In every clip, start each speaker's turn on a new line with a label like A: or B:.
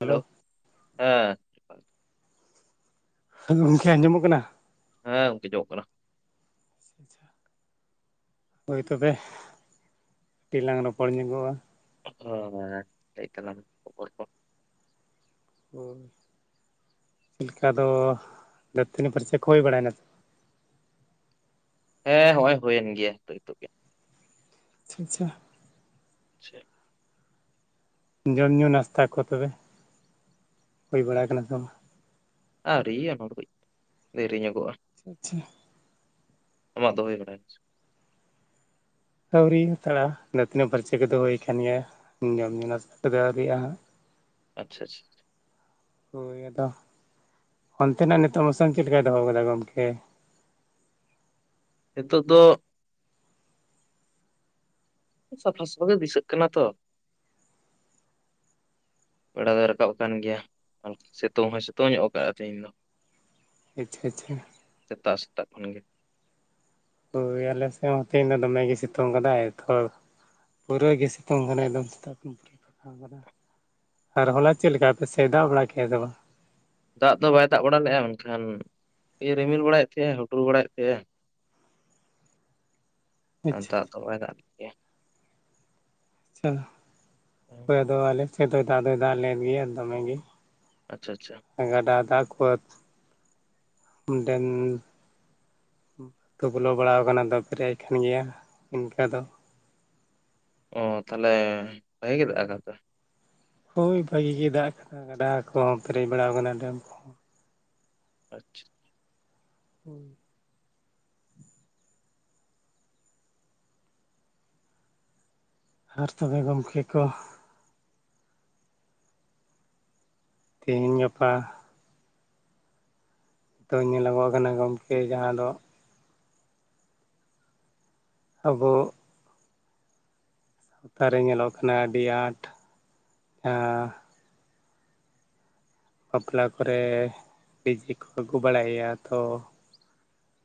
A: Hello ᱦᱮᱸ
B: ᱜᱚᱝᱠᱮ ᱟᱸᱡᱚᱢᱚᱜ ᱠᱟᱱᱟ?
A: ᱦᱮᱸ ᱜᱚᱝᱠᱮ ᱡᱚᱢᱚᱜ ᱠᱟᱱᱟ᱾
B: ᱟᱪᱪᱷᱟ ᱦᱳᱭ ᱛᱚᱵᱮ ᱠᱟᱹᱴᱤᱡ ᱞᱟᱝ ᱨᱚᱯᱚᱲ ᱧᱚᱜᱚᱜᱼᱟ᱾
A: ᱦᱚᱸ ᱞᱟᱹᱭ ᱛᱟᱞᱟᱝ ᱢᱮ ᱠᱷᱚᱵᱚᱨ ᱠᱚ᱾
B: ᱦᱩᱸ ᱪᱤᱞᱠᱟ ᱫᱚ ᱫᱟᱹᱛᱟᱹᱱᱤ ᱯᱷᱟᱨᱪᱟ ᱠᱚ ᱦᱩᱭ ᱵᱟᱲᱟᱭᱱᱟ ᱛᱚ?
A: ᱦᱮᱸ ᱦᱚᱸᱜᱼᱚᱭ ᱦᱩᱭᱮᱱ ᱜᱮᱭᱟ ᱱᱤᱛᱚᱜ ᱱᱤᱛᱚᱜ ᱜᱮ᱾
B: [unintelligible]
A: ᱟᱪᱪᱷᱟ
B: ᱡᱚᱢ ᱧᱩ ᱱᱟᱥᱛᱟ ᱠᱚ ᱛᱚᱵᱮ, ᱦᱩᱭ ᱵᱟᱲᱟ ᱟᱠᱟᱱᱟ ᱥᱮ ᱵᱟᱝ?
A: ᱟᱣᱨᱤᱭᱟ ᱚᱱᱟ ᱫᱚ ᱠᱟᱹᱡ ᱫᱮᱨᱤ ᱧᱚᱜᱚᱜᱼᱟ᱾
B: ᱟᱪᱪᱷᱟ ᱟᱪᱷᱷᱟ
A: ᱟᱢᱟᱜ ᱫᱚ ᱦᱩᱭ ᱵᱟᱰᱟᱭᱱᱟ ᱥᱮ ᱵᱟᱝ?
B: ᱟᱹᱣᱨᱤᱧ ᱛᱟᱲᱟ ᱫᱟᱹᱛᱟᱹᱱᱤ ᱯᱷᱟᱨᱪᱟ ᱠᱚᱫᱚ ᱦᱩᱭ ᱠᱟᱱ ᱜᱮᱭᱟ᱾ ᱡᱚᱢ ᱧᱩ ᱱᱟᱥᱛᱟ ᱠᱚ ᱫᱚ ᱟᱹᱣᱨᱤᱭᱟᱜᱼᱟ ᱦᱟᱸᱜ᱾
A: ᱟᱪᱪᱷᱟ ᱟᱪᱪᱷᱟ
B: ᱦᱳᱭ ᱟᱫᱚ ᱚᱱᱛᱮ ᱱᱟᱜ ᱱᱤᱛᱳᱜ ᱢᱚᱥᱚᱢ ᱪᱮᱫ ᱞᱮᱠᱟᱭ ᱫᱚᱦᱚ ᱟᱠᱟᱫᱟ ᱜᱚᱢᱠᱮ?
A: ᱱᱤᱛᱚᱜ ᱫᱚ ᱥᱟᱯᱷᱟ ᱥᱟᱯᱷᱟ ᱜᱮ ᱫᱤᱥᱟᱹᱜ ᱠᱟᱱᱟ ᱛᱚ
B: [inaudible]
A: ᱵᱮᱲᱟ ᱫᱚᱭ ᱨᱟᱠᱟᱵ ᱟᱠᱟᱱ ᱜᱮᱭᱟ ᱟᱨ ᱥᱤᱛᱩᱝ ᱦᱚᱸ ᱥᱤᱛᱩᱝ ᱧᱚᱜ ᱟᱠᱟᱜᱼᱟ ᱛᱮᱦᱮᱧ ᱫᱚ
B: ᱟᱪᱪᱷᱟ ᱟᱪᱪᱷᱟ
A: ᱥᱮᱛᱟᱜ ᱥᱮᱛᱟᱜ ᱠᱷᱚᱱ ᱜᱮ
B: ᱦᱳᱭ ᱟᱞᱮ ᱥᱮᱫ ᱦᱚᱸ ᱛᱮᱦᱮᱸᱧ ᱫᱚᱢᱮ ᱜᱮᱭ ᱥᱤᱛᱩᱝ ᱟᱠᱟᱫᱟᱭ ᱛᱚᱨ ᱯᱩᱨᱟᱹ ᱜᱮ ᱥᱤᱛᱩᱝ ᱟᱠᱟᱱᱟ ᱮᱠᱫᱚᱢ ᱥᱮᱛᱟᱜ ᱠᱷᱚᱱ ᱯᱷᱟᱠᱟ ᱢᱮᱱᱟᱜ ᱼᱟ᱾ ᱟᱨ ᱦᱚᱞᱟ ᱪᱮᱫ ᱞᱮᱠᱟ ᱟᱯᱮ ᱥᱮᱫ ᱫᱟᱜᱽ ᱵᱟᱲᱟ ᱠᱮᱜᱼᱟ ᱥᱮ ᱵᱟᱝ
A: ᱫᱟᱜᱽ ᱫᱚ ᱵᱟᱭ ᱫᱟᱜᱽ ᱵᱟᱲᱟ ᱞᱮᱫᱼᱟ ᱢᱮᱱ ᱠᱷᱟᱱ ᱤᱭᱟᱹ ᱨᱤᱢᱤᱞ ᱵᱟᱲᱟᱭᱮᱫ ᱛᱟᱦᱮᱸ ᱦᱩᱰᱩᱨ ᱵᱟᱲᱟᱭᱮᱫ ᱛᱟᱦᱮᱸ ᱟᱨ
B: ᱟᱪᱪᱷᱟ
A: ᱫᱟᱜᱽ ᱫᱚ ᱵᱟᱭ ᱫᱟᱜᱽ ᱜᱮᱭᱟ
B: [unintelligible] ᱦᱳᱭ ᱫᱚ ᱟᱞᱮ ᱥᱮᱫ ᱫᱚᱭ ᱫᱟᱜᱽ ᱫᱚᱭ ᱫᱟᱜᱽ ᱞᱮᱜ ᱜᱮᱭᱟ ᱫᱚᱢᱮ ᱜᱮ
A: ᱟᱪᱪᱷᱟ ᱟᱪᱪᱷᱟ
B: ᱜᱟᱰᱟ ᱫᱟᱜᱽ ᱠᱚ ᱟᱛ ᱰᱮᱢ ᱛᱚ ᱵᱚᱞᱚ ᱵᱟᱲᱟᱣ ᱟᱠᱟᱱᱟ ᱫᱟᱜᱽ ᱯᱮᱨᱮᱡᱽ ᱟᱠᱟᱱ ᱜᱮᱭᱟ ᱤᱱᱠᱟ ᱫᱚ
A: ᱚᱸ ᱛᱟᱦᱚᱞᱮ ᱵᱷᱟᱹᱜᱤ ᱜᱮ ᱫᱟᱜᱽ ᱟᱠᱟᱫ ᱛᱚ
B: ᱦᱳᱭ ᱵᱷᱟᱹᱜᱤ ᱜᱮ ᱫᱟᱜᱽ ᱟᱠᱟᱫᱟ ᱜᱟᱰᱟ ᱠᱚᱦᱚᱸ ᱯᱮᱨᱮᱡᱽ ᱵᱟᱲᱟᱣ ᱟᱠᱟᱱᱟ ᱰᱮᱢ ᱠᱚᱦᱚᱸ
A: ᱟᱪᱪᱷᱟ
B: ᱦᱳᱭ ᱟᱨ ᱛᱚᱵᱮ ᱜᱚᱢᱠᱮ ᱠᱚ ᱛᱮᱦᱤᱧ ᱜᱟᱯᱟ ᱛᱚ ᱧᱮᱞ ᱚᱜᱚ ᱟᱠᱱᱟ ᱜᱚᱢᱠᱮ ᱡᱟᱦᱟᱸ ᱫᱚ ᱟᱵᱚ ᱞᱟᱛᱟᱨ ᱨᱮ ᱧᱮᱞᱚᱜ ᱠᱟᱱᱟ ᱟᱹᱰᱤ ᱟᱸᱴ ᱡᱟᱦᱟᱸ ᱵᱟᱯᱞᱟ ᱠᱚᱨᱮ ᱰᱤᱡᱮ ᱠᱚ ᱟᱹᱜᱩ ᱵᱟᱲᱟᱭᱮᱼᱟ ᱛᱚ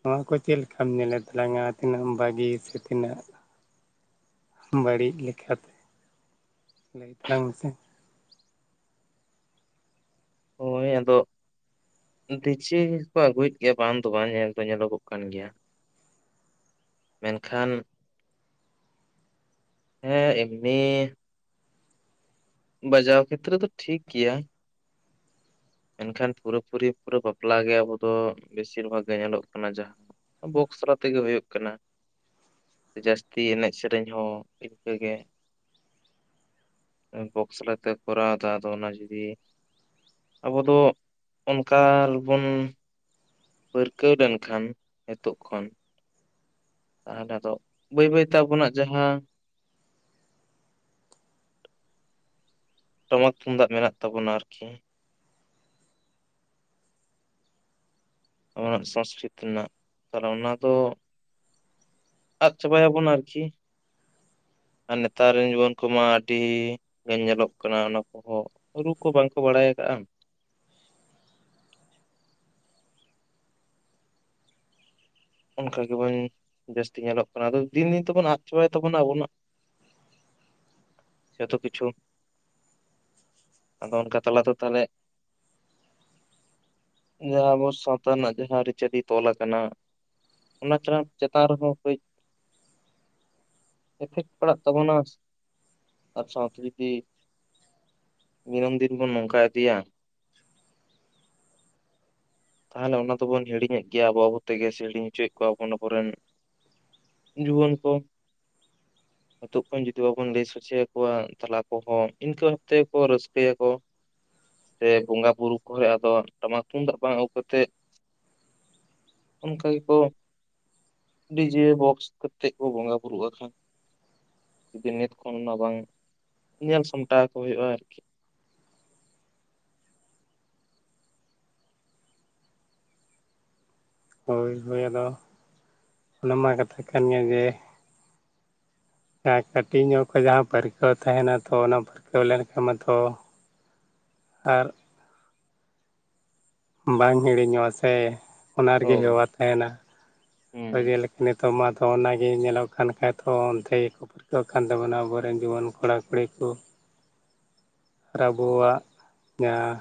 B: ᱱᱚᱣᱟ ᱠᱚ ᱪᱮᱫ ᱞᱮᱠᱟᱢ ᱧᱮᱞᱮ ᱛᱟᱞᱟᱝᱼᱟ ᱛᱤᱱᱟᱹᱜ ᱵᱷᱟᱹᱜᱤ ᱥᱮ ᱛᱤᱱᱟᱹᱜ ᱵᱟᱹᱲᱤᱡᱽ ᱞᱮᱠᱟ ᱛᱮ ᱞᱟᱹᱭ ᱛᱟᱞᱟᱝ ᱢᱮᱥᱮ
A: ᱦᱳᱭ ᱟᱫᱚ ᱰᱤᱡᱮ ᱠᱚ ᱟᱹᱜᱩᱭᱮᱫ ᱜᱮᱭᱟ ᱵᱟᱝ ᱫᱚ ᱵᱟᱝ ᱧᱮᱞ ᱫᱚ ᱧᱮᱞᱚᱜᱚᱜ ᱠᱟᱱ ᱜᱮᱭᱟ ᱢᱮᱱ ᱠᱷᱟᱱ ᱦᱮᱸ ᱮᱢᱱᱤ ᱵᱟᱡᱟᱣ ᱠᱷᱮᱛᱨᱮ ᱨᱮᱫᱚ ᱫᱚ ᱴᱷᱤᱠ ᱜᱮᱭᱟ ᱢᱮᱱ ᱠᱷᱟᱱ ᱯᱩᱨᱟᱹ ᱯᱩᱨᱤ ᱯᱩᱨᱟᱹ ᱵᱟᱯᱞᱟ ᱜᱮ ᱟᱵᱚ ᱫᱚ ᱵᱮᱥᱤᱨ ᱵᱷᱟᱜᱽ ᱜᱮ ᱧᱮᱞᱚᱜ ᱠᱟᱱᱟ ᱡᱟᱦᱟᱸ ᱵᱚᱠᱥᱨᱟ ᱛᱮᱜᱮ ᱦᱩᱭᱩᱜ ᱠᱟᱱᱟ ᱡᱟᱹᱥᱛᱤ ᱮᱱᱮᱡᱽ ᱥᱮᱨᱮᱧ ᱦᱚᱸ ᱤᱱᱠᱟᱹ ᱜᱮ ᱵᱚᱠᱥᱟᱞᱟ ᱛᱮ ᱠᱚᱨᱟᱣ ᱫᱟ ᱟᱫᱚ ᱚᱱᱟ ᱡᱩᱫᱤ ᱟᱵᱚ ᱫᱚ ᱚᱱᱠᱟ ᱵᱚᱱ ᱯᱟᱹᱨᱠᱟᱹᱣ ᱞᱮᱱ ᱠᱷᱟᱱ ᱱᱤᱛᱚᱜ ᱠᱷᱚᱱ ᱛᱟᱦᱚᱞᱮ ᱟᱫᱚ ᱵᱟᱹᱭ ᱵᱟᱹᱭ ᱛᱮ ᱟᱵᱚᱱᱟᱜ ᱡᱟᱦᱟᱸ ᱴᱟᱢᱟᱠ ᱛᱩᱢᱫᱟᱜᱽ ᱢᱮᱱᱟᱜ ᱛᱟᱵᱚᱱᱟ ᱟᱨᱠᱤ ᱟᱵᱱᱟᱜ ᱥᱚᱝᱥᱠᱨᱤᱛᱤ ᱨᱮᱱᱟᱜ ᱛᱟᱦᱚᱞᱮ ᱚᱱᱟ ᱫᱚ ᱟᱫ ᱪᱟᱵᱟᱭᱟ ᱵᱚᱱ ᱟᱨᱠᱤ ᱟᱨ ᱱᱮᱛᱟᱨ ᱨᱮᱱ ᱡᱩᱣᱟᱹᱱ ᱠᱚᱢᱟ ᱟᱹᱰᱤ ᱧᱮᱞᱚᱜ ᱠᱟᱱᱟ ᱚᱱᱟ ᱠᱚᱦᱚᱸ ᱨᱩ ᱠᱚ ᱵᱟᱝ ᱠᱚ ᱵᱟᱲᱟᱭ ᱟᱠᱟᱫᱼᱟ ᱚᱱᱠᱟ ᱜᱮ ᱵᱟᱝ ᱡᱟᱹᱥᱛᱤ ᱧᱮᱞᱚᱜ ᱠᱟᱱᱟ ᱟᱫᱚ ᱫᱤᱱ ᱫᱤᱱ ᱛᱮᱵᱚᱱ ᱟᱫ ᱪᱟᱵᱟᱭ ᱛᱟᱵᱚᱱᱟ ᱟᱵᱚᱱᱟᱜ ᱡᱚᱛᱚ ᱠᱤᱪᱷᱩ ᱟᱫᱚ ᱚᱱᱠᱟ ᱛᱟᱞᱟ ᱛᱮ ᱛᱟᱦᱚᱞᱮ ᱡᱟᱸᱦᱸ ᱟᱵᱚ ᱥᱟᱶᱛᱟ ᱨᱮᱱᱟᱜ ᱡᱟᱦᱟᱸ ᱟᱹᱨᱤ ᱪᱟᱹᱞᱤ ᱛᱚᱞ ᱟᱠᱟᱱᱟ ᱚᱱᱟ ᱴᱨᱟᱸᱯ ᱪᱮᱛᱟᱱ ᱨᱮᱦᱚᱸ ᱠᱟᱹᱡᱽ ᱮᱯᱷᱮᱠᱴ ᱯᱟᱲᱟᱜ ᱛᱟᱵᱚᱱᱟ ᱟᱨ ᱥᱟᱶᱛᱮ ᱡᱩᱫᱤ ᱫᱤᱥᱟᱹᱢ ᱫᱤᱱ ᱵᱚᱱ ᱱᱚᱝᱠᱟ ᱤᱫᱤᱭᱟ ᱛᱟᱦᱞᱮ ᱚᱱᱟ ᱫᱚᱵᱚᱱ ᱦᱤᱲᱤᱧᱮᱫ ᱜᱮᱭᱟ ᱟᱵᱚ ᱟᱵᱚ ᱛᱮᱜᱮ ᱥᱮ ᱧᱩ ᱦᱚᱪᱚᱭᱮᱫ ᱠᱚᱣᱟ ᱵᱚᱱ ᱟᱵᱚᱨᱮᱱ ᱡᱩᱣᱟᱹᱱ ᱠᱚ
B: [inaudible]
A: ᱱᱤᱛᱚᱜ ᱠᱷᱚᱱ ᱡᱩᱫᱤ ᱵᱟᱵᱚᱱ ᱞᱟᱹᱭ ᱥᱚᱪᱮᱭᱟ ᱠᱚᱣᱟ ᱛᱟᱦᱞᱮ ᱟᱠᱚ ᱦᱚᱸ ᱤᱱᱠᱟᱹ ᱵᱷᱟᱵᱛᱮ ᱠᱚ ᱨᱟᱹᱥᱠᱟᱹᱭᱟ ᱠᱚ ᱥᱮ ᱵᱚᱸᱜᱟ ᱵᱩᱨᱩ ᱠᱚ ᱟᱫᱚ ᱴᱟᱢᱟᱠ ᱛᱩᱢᱫᱟᱜ ᱵᱟᱝ ᱟᱹᱜᱩ ᱠᱟᱛᱮᱫ ᱚᱱᱠᱟ ᱠᱚ ᱰᱤᱡᱮ ᱵᱚᱠᱥ ᱠᱟᱛᱮᱫ ᱠᱚ ᱵᱚᱸᱜᱟ ᱵᱩᱨᱩᱜ-ᱟ ᱠᱚ ᱡᱩᱫᱤ ᱱᱤᱛ ᱠᱷᱚᱱ ᱚᱱᱟ ᱵᱟᱝ ᱧᱮᱞ ᱥᱟᱢᱴᱟᱣ ᱠᱚ ᱦᱩᱭᱩᱜᱼᱟ ᱟᱨᱠᱤ
B: ᱦᱚᱭ ᱦᱳᱭ ᱟᱫᱚ ᱚᱱᱟ ᱢᱟ ᱠᱟᱛᱷᱟ ᱠᱟᱱ ᱜᱮ ᱡᱟᱦᱟᱸ ᱠᱟᱹᱴᱤᱡ ᱧᱚᱜ ᱠᱷᱚᱡ ᱡᱟᱦᱟᱸ ᱯᱟᱹᱨᱠᱟᱹᱣ ᱛᱟᱦᱮᱱᱟ ᱛᱚ ᱚᱱᱟ ᱯᱟᱹᱨᱠᱟᱹᱣ ᱞᱮᱱᱠᱷᱟᱱ ᱢᱟᱛᱚ ᱟᱨ ᱵᱟᱝ ᱦᱤᱲᱤᱧᱚᱜᱼᱟ ᱥᱮ ᱚᱱᱟ ᱨᱮᱜᱮ
A: ᱦᱳᱭ
B: ᱦᱮᱣᱟ ᱛᱟᱸᱦᱮᱱᱟ
A: ᱦᱩᱸ
B: ᱡᱮᱞᱮᱠᱟ ᱱᱤᱛᱚᱜ ᱢᱟᱛᱚ ᱚᱱᱟᱜᱮ ᱧᱮᱞᱚᱜ ᱠᱟᱱ ᱠᱷᱟᱡ ᱛᱚ ᱚᱱᱛᱮ ᱜᱮᱠᱚ ᱯᱟᱹᱨᱠᱟᱹᱣ ᱠᱟᱱ ᱛᱟᱵᱚᱱᱟ ᱟᱵᱚᱨᱮᱱ ᱡᱩᱣᱟᱹᱱ ᱠᱚᱲᱟ ᱠᱩᱲᱤ ᱠᱚ ᱟᱨ ᱟᱵᱚᱣᱟᱜ ᱡᱟᱦᱟᱸ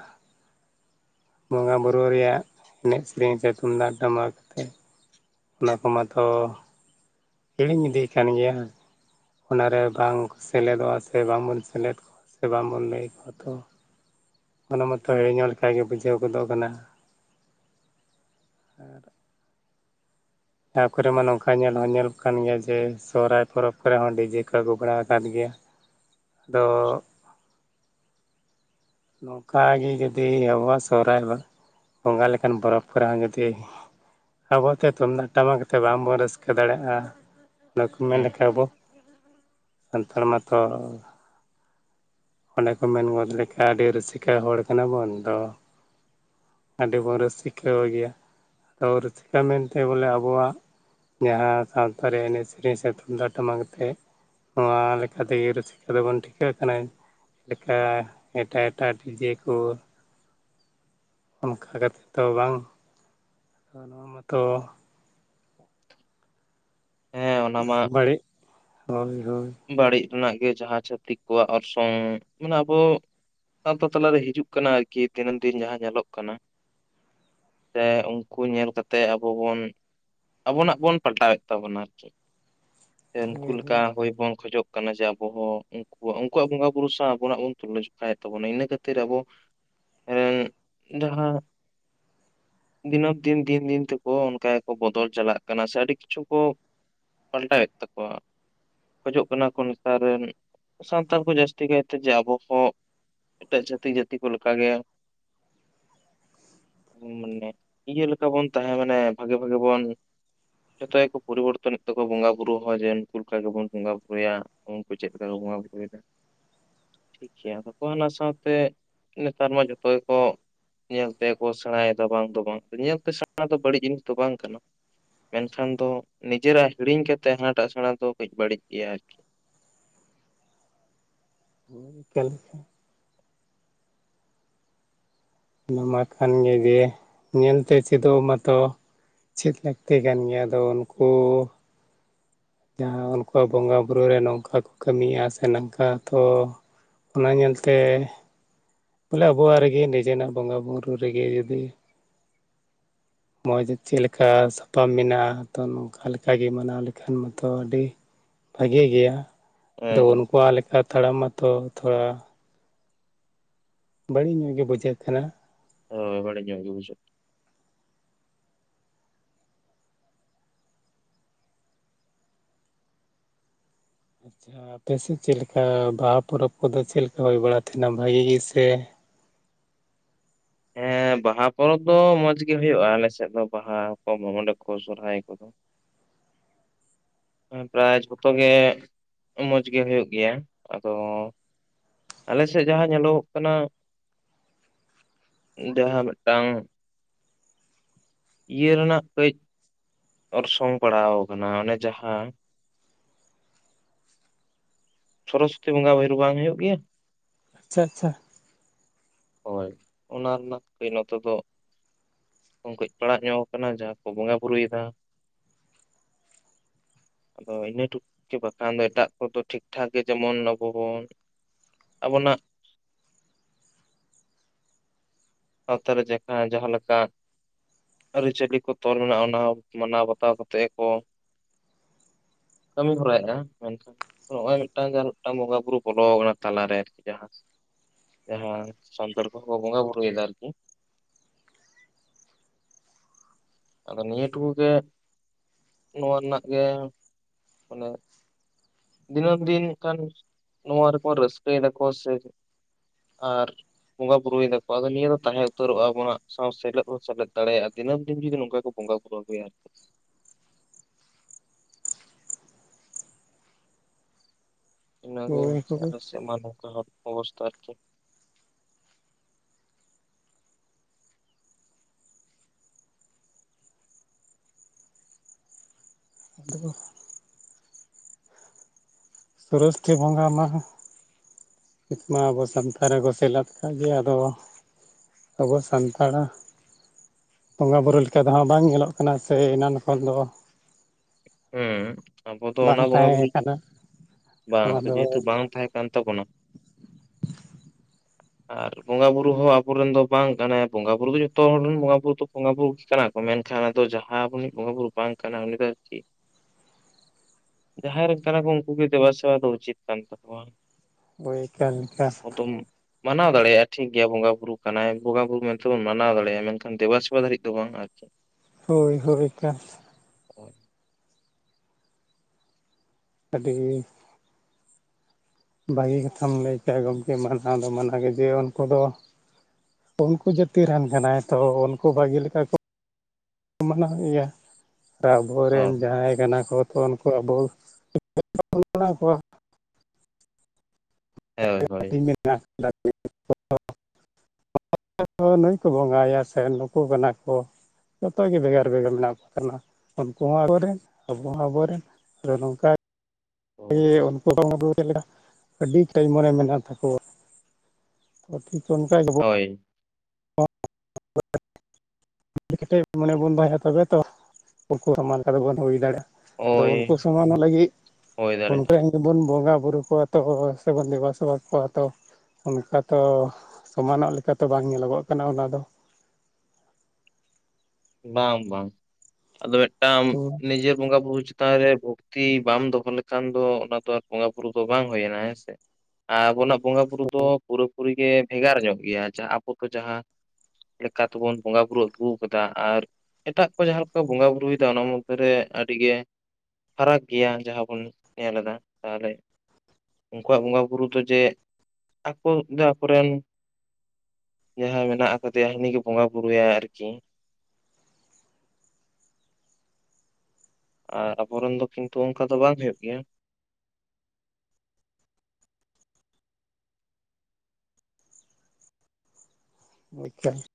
B: ᱵᱚᱸᱜᱟ ᱵᱩᱨᱩ ᱨᱮᱭᱟᱜ ᱮᱱᱮᱡ ᱥᱮᱨᱮᱧ ᱥᱮ ᱛᱩᱢᱫᱟᱜ ᱴᱟᱢᱟᱠ ᱛᱮ ᱚᱱᱟ ᱠᱚ ᱢᱟᱛᱚ ᱦᱤᱲᱤᱧ ᱤᱫᱤ ᱠᱟᱱ ᱜᱮᱭᱟ ᱚᱱᱟ ᱨᱮ ᱵᱟᱝ ᱠᱚ ᱥᱮᱞᱮᱫᱚᱜᱼᱟ ᱥᱮ ᱵᱟᱝᱵᱚᱱ ᱥᱮᱞᱮᱫ ᱠᱚᱣᱟ ᱥᱮ ᱵᱟᱝᱵᱚᱱ ᱞᱟᱹᱭ ᱟᱠᱚᱣᱟ ᱛᱚ ᱚᱱᱟ ᱢᱚᱛᱚ ᱦᱤᱲᱤᱧᱚᱜ ᱞᱮᱠᱟᱱ ᱜᱮ ᱵᱩᱡᱷᱟᱹᱣ ᱜᱚᱫᱚᱜ ᱠᱟᱱᱟ ᱟᱨ ᱡᱟᱦᱟᱸ ᱠᱚᱨᱮ ᱢᱟ ᱱᱚᱝᱠᱟ ᱧᱮᱞ ᱦᱚᱸ ᱧᱮᱞ ᱠᱟᱱ ᱜᱮᱭᱟ ᱡᱮ ᱥᱚᱦᱚᱨᱟᱭ ᱯᱚᱨᱚᱵᱽ ᱠᱚᱨᱮ ᱦᱚᱸ ᱰᱤᱡᱮ ᱠᱚ ᱟᱹᱜᱩ ᱵᱟᱲᱟ ᱟᱠᱟᱫ ᱜᱮᱭᱟ ᱟᱫᱚ ᱱᱚᱝᱠᱟ ᱜᱮ ᱡᱩᱫᱤ ᱟᱵᱚᱣᱟ ᱥᱚᱦᱚᱨᱟᱭ ᱦᱚᱸᱵᱚᱸᱜᱟ ᱞᱮᱠᱟᱱ ᱯᱚᱨᱚᱵᱽ ᱠᱚᱨᱮ ᱦᱚᱸ ᱡᱩᱫᱤ ᱟᱵᱚᱛᱮ ᱛᱩᱢᱫᱟᱜ ᱴᱟᱢᱟᱠ ᱟᱛᱮᱫ ᱵᱟᱝᱵᱚᱱ ᱨᱟᱹᱥᱠᱟᱹ ᱫᱟᱲᱮᱭᱟᱜ-ᱟ ᱚᱱᱟ ᱠᱚ ᱢᱮᱱ
A: ᱦᱩᱸ
B: ᱞᱮᱠᱷᱟᱡ ᱟᱵᱚ ᱥᱟᱱᱛᱟᱲ ᱢᱟᱛᱚ ᱚᱱᱮ ᱠᱚ ᱢᱮᱱ ᱜᱚᱫ ᱞᱮᱠᱟ ᱟᱹᱰᱤ ᱨᱩᱥᱤᱠᱟ ᱦᱚᱲ ᱠᱟᱱᱟ ᱵᱚᱱ ᱫᱚ ᱟᱹᱰᱤ ᱵᱚᱱ ᱨᱩᱥᱠᱟ ᱜᱮᱭᱟ ᱟᱫᱚ ᱨᱩᱥᱠᱟ ᱢᱮᱱᱛᱮ ᱵᱚᱞᱮ ᱟᱵᱚᱣᱟᱜ ᱡᱟᱦᱟᱸ ᱥᱟᱶᱛᱟᱨ ᱨᱮ ᱮᱱᱮᱡ ᱥᱮᱨᱮᱧ ᱥᱮ ᱛᱩᱢᱫᱟᱜ ᱴᱟᱢᱟᱠ ᱟᱛᱮ ᱱᱚᱣᱟ ᱞᱮᱠᱟ ᱛᱮᱜᱮ ᱨᱩᱥᱠᱟ ᱫᱚᱵᱚᱱ ᱴᱷᱤᱠᱟᱹᱜ ᱠᱟᱱᱟ ᱞᱮᱠᱟ ᱮᱴᱟᱜ ᱮᱴᱟᱜ ᱰᱤᱡᱮ ᱠᱚ ᱚᱱᱠᱟ ᱠᱟᱛᱮᱫ ᱛᱚ ᱵᱟᱝ, ᱱᱚᱣᱟ ᱢᱟᱛᱚ
A: ᱦᱮᱸ ᱚᱱᱟ ᱢᱟ
B: ᱵᱟᱹᱲᱤᱡ ᱦᱳᱭ ᱦᱳᱭ
A: ᱵᱟᱹᱲᱤᱡ ᱨᱮᱱᱟᱜ ᱜᱮ ᱡᱟᱦᱟᱸ ᱪᱷᱟᱹᱛᱤᱠ ᱠᱚᱣᱟᱜ ᱚᱨᱥᱚᱝ ᱢᱟᱱᱮ ᱟᱵᱚ ᱟᱛᱳ ᱛᱟᱞᱟᱨᱮ ᱦᱤᱡᱩᱜ ᱠᱟᱱᱟ ᱟᱨᱠᱤ ᱫᱤᱱᱟᱹᱢ ᱫᱤᱱ ᱡᱟᱦᱟᱸ ᱧᱮᱞᱚᱜ ᱠᱟᱱᱟ ᱥᱮ ᱩᱱᱠᱩ ᱧᱮᱞ ᱠᱟᱛᱮ ᱟᱵᱚ ᱵᱚᱱ ᱟᱵᱚᱱᱟᱜ ᱵᱚᱱ ᱯᱟᱞᱴᱟᱣᱮᱫ ᱛᱟᱵᱚᱱᱟ ᱟᱨ ᱪᱮᱫ ᱥᱮ ᱩᱱᱠᱩ
B: ᱦᱳᱭ
A: ᱞᱮᱠᱟ
B: ᱦᱳᱭ
A: ᱦᱩᱭ ᱵᱚᱱ ᱠᱷᱚᱡᱚᱜ ᱠᱟᱱᱟ ᱡᱮ ᱟᱵᱚ ᱦᱚᱸ ᱩᱱᱠᱩᱣᱟᱜ ᱩᱱᱠᱩᱣᱟᱜ ᱵᱚᱸᱜᱟ ᱵᱩᱨᱩ ᱥᱟᱶ ᱟᱵᱚᱱᱟᱜ ᱵᱚᱱ ᱛᱩᱞᱟᱹ ᱡᱚᱠᱷᱟᱭᱮᱫ ᱛᱟᱵᱚᱱᱟ ᱤᱱᱟᱹ ᱠᱷᱟᱹᱛᱤᱨ ᱟᱵᱚ ᱮᱸᱜ ᱡᱟᱦᱟᱸ ᱫᱤᱱᱟᱹᱢ ᱫᱤᱱ ᱫᱤᱱ ᱫᱤᱱ ᱛᱮᱠᱚ ᱚᱱᱠᱟ ᱜᱮᱠᱚ ᱵᱚᱫᱚᱞ ᱪᱟᱞᱟᱜ ᱠᱟᱱᱟ ᱥᱮ ᱟᱹᱰᱤ ᱠᱤᱪᱷᱩ ᱠᱚ ᱯᱟᱞᱴᱟᱣᱮᱫ ᱛᱟᱠᱚᱣᱟ ᱠᱷᱚᱡᱚᱜ ᱠᱟᱱᱟ ᱠᱚ ᱱᱮᱛᱟᱨ ᱨᱮᱱ ᱥᱟᱱᱛᱟᱲ ᱠᱚ ᱡᱟᱹᱥᱛᱤ ᱠᱟᱭᱛᱮ ᱡᱮ ᱟᱵᱚ ᱦᱚᱸ ᱮᱴᱟᱜ ᱡᱟᱹᱛᱤ ᱡᱟᱹᱛᱤ ᱠᱚ ᱞᱮᱠᱟ ᱜᱮ ᱢᱟᱱᱮ ᱤᱭᱟᱹ ᱞᱮᱠᱟ ᱵᱚᱱ ᱛᱟᱦᱮᱸ ᱢᱟᱱᱮ ᱵᱷᱟᱜᱮ ᱵᱷᱟᱜᱮ ᱵᱚᱱ ᱡᱚᱛᱚ ᱜᱮ ᱠᱚ ᱯᱚᱨᱤᱵᱚᱨᱛᱚᱱᱮᱫ ᱛᱟᱠᱚ ᱵᱚᱸᱜᱟ ᱵᱩᱨᱩ ᱦᱚᱸ ᱡᱮ ᱩᱱᱠᱩ ᱞᱮᱠᱟ ᱜᱮᱵᱚᱱ ᱵᱚᱸᱜᱟ ᱵᱩᱨᱩᱭᱟ ᱩᱱᱠᱩ ᱪᱮᱫ ᱞᱮᱠᱟ ᱠᱚ ᱵᱚᱸᱜᱟ ᱵᱨᱩᱭᱮᱫᱟ
B: [inaudible]
A: ᱴᱷᱤᱠ ᱜᱮᱭᱟ ᱱᱩᱠᱩ ᱚᱱᱟ ᱥᱟᱶᱛᱮ ᱱᱮᱛᱟᱨ ᱢᱟ ᱡᱚᱛᱚ ᱜᱮᱠᱚ ᱧᱮᱞ ᱛᱮᱠᱚ ᱥᱮᱬᱟᱭᱮᱫᱟ ᱵᱟᱝ ᱫᱚ ᱵᱟᱝ, ᱧᱮᱞᱛᱮ ᱥᱮᱬᱟ ᱫᱚ ᱵᱟᱹᱲᱤᱡ ᱡᱤᱱᱤᱥ ᱫᱚ ᱵᱟᱝ ᱠᱟᱱᱟ ᱢᱮᱱᱠᱷᱟᱱ ᱫᱚ ᱱᱤᱡᱮᱨᱟᱜ ᱦᱤᱲᱤᱧ ᱠᱟᱛᱮᱫ ᱦᱱᱟᱴᱟᱜ ᱥᱮᱬᱟ ᱫᱚ ᱠᱟᱹᱡ ᱵᱟᱹᱲᱤᱡ ᱜᱮᱭᱟ ᱟᱨᱠᱤ
B: [unintelligible] ᱱᱚᱣᱟ ᱢᱟ ᱠᱟᱱ ᱜᱮ ᱡᱮ ᱧᱮᱞᱛᱮ ᱪᱮᱫᱚᱜ ᱢᱟᱛᱚ [inaudible] ᱪᱮᱫ ᱞᱟᱹᱠᱛᱤ ᱠᱟᱱ ᱜᱮᱭᱟ ᱟᱫᱚ ᱩᱱᱠᱩ ᱡᱟᱦᱟᱸ ᱩᱱᱠᱩ ᱣᱟᱜ ᱵᱚᱸᱜᱟ ᱵᱩᱨᱩ ᱨᱮ ᱱᱚᱝᱠᱟ ᱠᱚ ᱠᱟᱹᱢᱤᱭᱮᱫᱼᱟ ᱥᱮ ᱱᱚᱝᱠᱟ ᱛᱚ ᱚᱱᱟ ᱧᱮᱞᱛᱮ ᱵᱚᱞᱮ ᱟᱵᱚᱣᱟᱜ ᱨᱮᱜᱮ ᱱᱤᱡᱮᱨᱟᱜ ᱵᱚᱸᱜᱟ ᱵᱩᱨᱩ ᱨᱮᱜᱮ ᱡᱩᱫᱤ ᱢᱚᱡᱽ ᱪᱮᱫ ᱞᱮᱠᱟ ᱥᱟᱯᱟᱵ ᱢᱮᱱᱟᱜᱼᱟ ᱛᱚ ᱱᱚᱝᱠᱟ ᱞᱮᱠᱟᱜᱮ ᱢᱟᱱᱟᱣ ᱞᱮᱠᱷᱟᱱ ᱢᱟᱛᱚ ᱟᱹᱰᱤ ᱵᱷᱟᱜᱤ ᱜᱮᱭᱟ ᱟᱫᱚ
A: ᱦᱮᱸ ᱦᱮᱸ
B: ᱩᱱᱠᱩᱣᱟᱜ ᱞᱮᱠᱟ ᱛᱟᱲᱟᱢ ᱢᱟᱛᱚ ᱛᱷᱚᱲᱟ ᱵᱟᱹᱲᱤᱡ ᱧᱚᱜ ᱜᱮ ᱵᱩᱡᱷᱟ. ᱜ ᱛᱟᱦᱮᱱᱟ
A: ᱦᱚᱭ ᱵᱟᱲᱤᱡ ᱧᱚᱜ ᱜᱮ ᱵᱩᱡᱩᱜ
B: ᱟᱯᱮ ᱥᱮᱫ ᱪᱮᱫ ᱞᱮᱠᱟ ᱵᱟᱦᱟ ᱯᱚᱨᱚᱵᱽ ᱠᱚᱫᱚ ᱪᱮᱫ ᱞᱮᱠᱟ ᱦᱩᱭ ᱵᱟᱲ ᱛᱟᱦᱮᱱᱟ ᱵᱷᱟᱜᱤ ᱜᱮ ᱥᱮ
A: ᱦᱮᱸ ᱵᱟᱦᱟ ᱯᱚᱨᱚᱵᱽ ᱫᱚ ᱢᱚᱸᱡᱽ ᱜᱮ ᱦᱩᱭᱩᱜᱼᱟ ᱟᱞ ᱥᱮᱫ ᱫᱚ ᱵᱟᱦᱟ ᱠᱚ ᱢᱚ ᱠᱚ ᱥᱚᱨᱦᱟᱭ ᱠᱚᱫᱚ ᱯᱨᱟᱭ ᱡᱷᱚᱛᱚ ᱜᱮ ᱢᱚᱸᱡᱽ ᱜᱮ ᱦᱩᱭᱩᱜ ᱜᱮᱭᱟ ᱟᱫᱚ ᱟᱞᱮ ᱥᱮᱫ ᱡᱟᱦᱟᱸ ᱧᱮᱞᱚᱜᱼᱚᱜ ᱠᱟᱱᱟ ᱡᱟᱦᱟᱸ ᱢᱤᱫᱴᱟᱝ ᱤᱭᱟ. ᱨᱮᱱᱟᱜ ᱠᱟᱹᱡ ᱚᱨᱥᱚᱝ ᱯᱟᱲᱟᱣ ᱟᱠᱟᱱᱟ ᱚᱱᱮ ᱡᱟᱦᱟᱸ ᱥᱚᱨᱚᱥᱚᱛᱤ ᱵᱚᱸᱜᱟ ᱵᱷᱟᱹᱭᱦᱳ ᱵᱟᱝ ᱦᱩᱭᱩᱜ ᱜᱮᱭᱟ
B: ᱟᱪᱷᱟ ᱟᱪᱷᱟ
A: ᱦᱳᱭ ᱚᱱᱟ ᱨᱮᱱᱟᱜ ᱱᱚᱛ ᱫᱚ ᱩᱱᱠᱩᱡ ᱯᱟᱲᱦᱟᱜ ᱧᱚᱜ ᱟᱠᱟᱱᱟ ᱡᱟᱦᱟᱸ ᱠᱚ ᱵᱚᱸᱜᱟ ᱵᱩᱨᱩᱭᱮᱫᱟ ᱟᱫᱚ ᱤᱱᱟᱹ ᱴᱩ ᱜᱮ ᱵᱟᱠᱷᱟᱱ ᱫᱚ ᱮᱴᱟᱜ ᱠᱚᱫᱚ ᱴᱷᱤᱠ ᱴᱷᱟᱠ ᱜᱮ ᱡᱮᱢᱚᱱ ᱟᱵᱚ ᱵᱚᱱ ᱟᱵᱚ ᱱᱟᱜ ᱥᱟᱶᱛᱟ ᱨᱮ ᱡᱟᱦᱟᱸ ᱡᱟᱦᱟᱸ ᱞᱮᱠᱟ ᱟᱹᱨᱤᱪᱟᱹᱞᱤ ᱠᱚ ᱛᱚᱞ ᱢᱮᱱᱟᱜᱼᱟ ᱚᱱᱟ ᱢᱟᱱᱟᱣ ᱵᱟᱛᱟᱣ ᱠᱟᱛᱮᱫ ᱜᱮ ᱠᱚ ᱠᱟᱹᱢᱤ ᱦᱚᱨᱟᱭᱮᱫᱼᱟ ᱢᱮᱱᱠᱷᱟᱱ ᱱᱚᱜᱼᱚᱭ ᱢᱤᱫᱴᱟᱝ ᱡᱟᱦᱟᱸ ᱢᱤᱫᱴᱟᱝ ᱵᱚᱸᱜᱟ ᱵᱩᱨᱩ ᱵᱚᱞᱚ ᱠᱟᱱᱟ ᱛᱟᱞᱟᱨᱮ ᱟᱨᱠᱤ ᱡᱟᱦᱟᱸ ᱡᱟᱦᱟᱸ ᱥᱟᱱᱛᱟᱲ ᱠᱚᱦᱚ ᱠᱚ ᱵᱚᱸᱜᱟ ᱵᱩᱨᱩ ᱫᱟ [unintelligible] ᱟᱫᱚ ᱱᱤᱭᱟᱹ ᱴᱩᱠᱩᱜᱮ ᱱᱚᱣᱟ ᱨᱮᱱᱟᱜ ᱜᱮ ᱢᱟᱱᱮ ᱫᱤᱱᱟᱹᱢ ᱫᱤᱱ ᱠᱟᱱ ᱱᱚᱣᱟ ᱨᱮᱠᱚ ᱨᱟᱹᱥᱠᱟᱹᱭ ᱫᱟᱠᱚ ᱥᱮ ᱟᱨ ᱵᱚᱸᱜᱟ ᱵᱩᱨᱩᱭ ᱫᱟᱠᱚ ᱟᱫᱚ ᱱᱤᱭᱟᱹ ᱫᱚ ᱵᱚᱸᱜᱼᱟ ᱵᱩᱨᱩ ᱫᱟᱠᱚ ᱟᱫᱚ ᱱᱤᱭᱟ ᱫᱚ ᱛᱟᱦᱮᱸ ᱩᱛᱟᱹᱨᱚᱜᱼᱟ ᱟᱵᱚ ᱥᱟᱶ ᱥᱮᱞᱮᱫ ᱦᱚᱸ ᱥᱮᱞᱮᱫ ᱫᱟᱲᱮᱭᱟᱜᱼᱟ ᱫᱤᱱᱟᱹᱢ ᱫᱤᱱ ᱡᱩᱫᱤ ᱱᱚᱝᱠᱟ᱾ ᱵᱚᱸᱜᱟ ᱠᱩᱨᱩ ᱜᱮᱭᱟ ᱤᱱᱟᱹᱜᱮ
B: ᱦᱳᱭ
A: ᱟᱨ
B: ᱦᱳᱭ
A: ᱥᱮ ᱢᱟᱱ ᱚᱵᱚᱥᱛᱷᱟ ᱟᱨᱠᱤ
B: [unintelligible] ᱥᱚᱨᱚᱥᱚᱛᱤ ᱵᱚᱸᱜᱟ ᱢᱟᱦᱟ ᱱᱤᱛ ᱢᱟ ᱟᱵᱚ ᱥᱟᱱᱛᱟᱲ ᱨᱮᱠᱚ ᱥᱮᱞᱮᱫ ᱠᱟᱜᱮ ᱟᱫᱚ ᱟᱵᱚ ᱥᱟᱱᱛᱟᱲᱟᱜ ᱵᱚᱸᱜᱟ ᱵᱩᱨᱩ ᱞᱮᱠᱟ ᱫᱚᱦᱚᱸ ᱵᱟᱝ ᱧᱮᱞᱚᱜ ᱠᱟᱱᱟ ᱥᱮ ᱮᱱᱟᱱ ᱠᱷᱚᱱ ᱫᱚ
A: ᱦᱮᱸ ᱟᱵᱚ ᱫᱚ
B: ᱵᱟᱝ
A: ᱚᱱᱟ ᱵᱚᱸᱜᱟ
B: ᱛᱟᱦᱮᱸ
A: ᱵᱩᱨᱩ
B: ᱠᱟᱱᱟ
A: ᱵᱟᱝ
B: ᱱᱚᱣᱟ
A: ᱟᱫᱚ
B: ᱫᱚ
A: ᱡᱮᱦᱮᱛᱩ ᱵᱟᱝ ᱛᱟᱦᱮᱸ ᱠᱟᱱ ᱛᱟᱵᱚᱱᱟ᱾
B: [unintelligible]
A: ᱟᱨ ᱵᱚᱸᱜᱟ ᱵᱩᱨᱩ ᱦᱚᱸ ᱟᱵᱚᱨᱮᱱ ᱫᱚ ᱵᱟᱝ ᱠᱟᱱᱟ ᱵᱚᱸᱜᱟ ᱵᱩᱨᱩ ᱫᱚ ᱡᱚᱛᱚ ᱦᱚᱲ ᱨᱮᱱ ᱵᱚᱸᱜᱟ ᱵᱩᱨᱩ ᱫᱚ ᱵᱚᱸᱜᱟ ᱵᱩᱨᱩ ᱜᱮ ᱠᱟᱱᱟ ᱠᱚ ᱢᱮᱱᱠᱷᱟᱱ ᱟᱫᱚ ᱡᱟᱦᱟ ᱟᱵᱚᱤᱡ ᱵᱚᱸᱜᱟ ᱵᱩᱨᱩ ᱵᱟᱝ ᱠᱟᱱᱟ ᱩᱱ ᱫᱚ ᱟᱨᱠᱤ ᱡᱟᱦᱟᱸᱭ ᱨᱮᱱ ᱠᱟᱱᱟ ᱠᱚ ᱩᱱᱠᱩ ᱜᱮ ᱫᱮᱵᱟᱼ ᱥᱮᱵᱟ ᱫᱚ ᱩᱪᱤᱛ ᱠᱟᱱ ᱛᱟᱠᱚᱣᱟ᱾
B: [unintelligible]
A: ᱟᱫᱚᱢ ᱢᱟᱱᱟᱣ ᱫᱟᱲᱮᱭᱟᱜᱼᱟ ᱴᱷᱤᱠ ᱜᱮᱭᱟ ᱵᱚᱸᱜᱟ ᱢᱟᱱᱟᱣ ᱫᱟᱲᱮᱟ ᱴᱦᱤᱠᱜᱮᱭᱟ ᱵᱚᱸᱜᱟ ᱵᱩᱨᱩ ᱢᱟᱱᱟᱣ ᱫᱟᱲᱮᱜᱟ ᱴᱦᱤᱠ ᱜᱮᱭᱟ ᱵᱚᱸᱜᱟ ᱵᱩᱨᱩ ᱠᱟᱱᱟᱭ ᱵᱚᱸᱜᱟ ᱵᱩᱨᱩ ᱢᱮᱱᱛᱮᱵᱚᱱ ᱢᱟᱱᱟᱣ ᱫᱟᱲᱮᱭᱟᱜᱼᱟ ᱢᱮᱱᱠᱷᱟᱱ ᱫᱮᱵᱟ ᱫᱮᱵᱟᱥᱮᱵᱟ ᱫᱷᱟᱹᱨᱤᱡ ᱫᱚ ᱵᱟᱝ ᱟᱨᱠᱤ
B: ᱦᱳᱭ ᱦᱳᱭ ᱠᱟᱱ
A: ᱚ
B: ᱟᱰᱤ ᱵᱷᱟᱹᱜᱤ ᱠᱟᱛᱷᱟᱢ ᱞᱟᱹᱭ ᱠᱮ ᱜᱚᱢᱠᱮ ᱢᱟᱱᱟᱣ ᱫᱚ ᱢᱟᱱᱟᱣᱜᱮ ᱡᱮ ᱩᱱᱠᱩ ᱫᱚ ᱩᱱᱠᱩ ᱡᱟᱹᱛᱤ ᱨᱮᱱ ᱠᱟᱱᱟᱭ ᱛᱚ ᱩᱱᱠᱩ ᱵᱷᱟᱹᱜᱤ ᱞᱮᱠᱟ ᱠᱚ ᱢᱟᱱᱟᱭᱮᱭᱟ ᱟᱵᱚᱨᱮᱱ ᱡᱟᱦᱟᱸᱭ ᱠᱟᱱᱟ ᱠᱚ ᱛᱚ ᱩᱱᱠᱩ ᱟᱵᱚ ᱮᱢᱟ ᱠᱚᱣᱟ
A: ᱦᱳᱭ
B: ᱦᱟᱹᱴᱤᱧ
A: ᱦᱳᱭ
B: ᱢᱮᱱᱟᱜ ᱟᱠᱟᱫᱟ ᱱᱩᱭ ᱠᱚ ᱵᱚᱸᱜᱟᱭᱟ ᱥᱮ ᱱᱩᱠᱩ ᱠᱟᱱᱟ ᱠᱚ ᱡᱚᱛᱚᱜ ᱜᱮ ᱵᱷᱮᱜᱟᱨ ᱵᱷᱮᱜᱟᱨ ᱢᱮᱱᱟᱜ ᱠᱚ ᱠᱟᱱᱟ ᱩᱱᱠᱩ ᱦᱚᱸ ᱟᱵᱚᱨᱮᱱ ᱟᱵᱚ ᱦᱚᱸ ᱟᱵᱚᱨᱮᱱ ᱟᱫᱚ ᱱᱚᱝᱠᱟ ᱩᱱᱠᱩ ᱦᱚᱸ ᱪᱮᱫ ᱞᱮᱠᱟ ᱟᱹᱰᱤ ᱴᱟᱭᱤᱢ ᱨᱮ ᱢᱮᱱᱟᱜ ᱛᱟᱠᱚᱣᱟ ᱛᱚ ᱴᱷᱤᱠ ᱚᱱᱠᱟ ᱜᱮᱵᱚ
A: ᱦᱳᱭ
B: ᱵ ᱠᱮᱴᱮᱡ ᱢᱚᱱᱮ ᱵᱚᱱ ᱫᱚᱦᱚᱭᱟ ᱛᱚᱵᱮ ᱛᱚ ᱩᱱᱠᱩ ᱥᱚᱢᱟᱱ ᱞᱮᱠᱟ ᱫᱚ ᱵᱚᱱ ᱦᱩᱭ ᱫᱟᱲᱮᱭᱟᱜᱼᱟ ᱟᱫᱚ
A: ᱦᱳᱭ
B: ᱩᱱᱠᱩ
A: ᱦᱳᱭ
B: ᱥᱚᱢᱟᱱᱚᱜ ᱞᱟᱹᱜᱤᱫ
A: ᱦᱳᱭ
B: ᱩᱱᱠᱩ
A: ᱫᱟᱲᱮᱭᱟᱜᱼᱟ
B: ᱨᱮᱱ ᱵᱚᱱ ᱵᱚᱸᱜᱟ ᱵᱩᱨᱩ ᱠᱚᱣᱟ ᱛᱚ ᱥᱮᱵᱚᱱ ᱫᱮᱵᱟ ᱥᱮᱵᱟ ᱠᱚᱣᱟ ᱛᱚ ᱚᱱᱠᱟᱛᱚ ᱥᱚᱢᱟᱱᱚᱜ ᱞᱮᱠᱟᱛᱮ ᱵᱟᱝ ᱧᱮᱞᱚᱜᱚᱜ ᱠᱟᱱᱟ ᱚᱱᱟᱫᱚ
A: ᱵᱟᱝ ᱵᱟᱝ ᱟᱫᱚ ᱢᱤᱫᱴᱟᱝ
B: ᱦᱩᱸ
A: ᱱᱤᱡᱮᱨ ᱵᱚᱸᱜᱟ ᱵᱩᱨᱩ ᱪᱮᱛᱟᱱ ᱨᱮ ᱵᱷᱚᱠᱛᱤ ᱵᱟᱢ ᱫᱚᱦᱚ ᱞᱮᱠᱷᱟᱱ ᱫᱚ ᱚᱱᱟ ᱫᱚ ᱟᱨ ᱵᱚᱸᱜᱟ ᱵᱩᱨᱩ ᱫᱚ ᱵᱟᱝ ᱦᱩᱭᱮᱱᱟ ᱦᱮᱸ ᱥᱮ ᱟ ᱟᱵᱚᱱᱟᱜ ᱵᱚᱸᱜᱟ ᱵᱩᱨᱩ ᱫᱚ ᱯᱩᱨᱟᱹ ᱯᱩᱨᱤ ᱜᱮ ᱵᱷᱮᱜᱟᱨ ᱧᱚᱜ ᱜᱮᱭᱟ ᱡᱟᱦᱟᱸ ᱟᱵᱚ ᱫᱚ ᱡᱟᱦᱟᱸ ᱞᱮᱠᱟᱛᱮᱵᱚᱱ ᱵᱚᱸᱜᱟ ᱵᱩᱨᱩ ᱟᱹᱜᱩ ᱟᱠᱟᱫᱟ ᱟᱨ ᱮᱴᱟᱜ ᱠᱚ ᱡᱟᱦᱟᱸ ᱞᱮᱠᱟ ᱠᱚ ᱵᱚᱸᱜᱟ ᱵᱨᱩᱭᱮᱫᱟ ᱚᱱᱟ ᱢᱚᱫᱽ ᱨᱮ ᱟᱹᱰᱤ ᱜᱮ ᱯᱷᱟᱨᱟᱠ ᱜᱮᱭᱟ ᱡᱟᱦᱟᱸ ᱵᱚᱱ ᱧᱮᱞ ᱮᱫᱟ ᱛᱟᱦᱚᱞᱮ ᱩᱱᱠᱩᱣᱟᱜ ᱵᱚᱸᱜᱟ ᱵᱩᱨᱩ ᱫᱚ ᱡᱮ ᱟᱠᱚ ᱡᱮ ᱟᱠᱚᱨᱮᱱ ᱡᱟᱦᱟᱸ ᱢᱮᱱᱟᱜ ᱟᱠᱟᱫᱮᱭᱟ ᱦᱟᱹᱱᱤ ᱜᱮ ᱵᱚᱸᱜᱟ ᱵᱩᱨᱩᱭᱟᱭ ᱟᱨᱠᱤ ᱟᱨ ᱟᱵᱚᱨᱮᱱ ᱫᱚ ᱠᱤᱱᱛᱩ ᱚᱱᱠᱟ ᱫᱚ ᱵᱟᱝ ᱦᱳᱭᱳᱜ ᱜᱮᱭᱟ
B: ᱟᱪᱪᱷᱟ